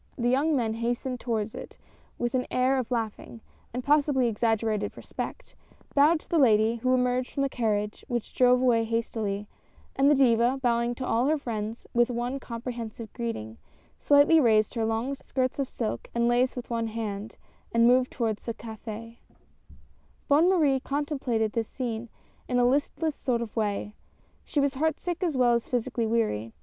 The young men hastened towards it with an air of laughing, and possibly exaggerated respect — bowed to the lady who emerged from the carriage, which drove away hastily, and the Diva, bowing to all her friends with one comprehensive greeting, slightly raised her long skirts of silk and lace with one hand, and moved toward the cafL Bonne Marie contemplated this scene in a listless sort of way ; she was heartsick as well as physically C L O T I I. D E . 79 weary.